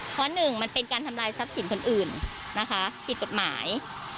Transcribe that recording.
เพราะหนึ่งมันเป็นการทำลายทรัพย์สินคนอื่นนะคะผิดกฎหมาย